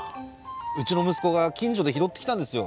うちの息子が近所で拾ってきたんですよ